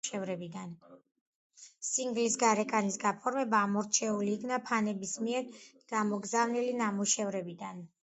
სინგლის გარეკანის გაფორმება ამორჩეული იქნა ფანების მიერ გამოგზავნილი ნამუშევრებიდან.